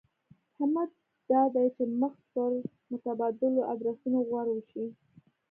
همت دا دی چې مخ پر متبادلو ادرسونو غور وشي.